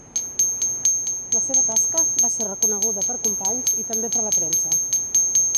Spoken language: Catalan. La seva tasca va ser reconeguda per companys i també per la premsa.